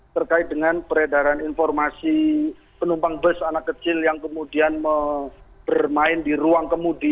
terkait dengan peredaran informasi penumpang bus anak kecil yang kemudian bermain di ruang kemudi